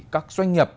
các doanh nghiệp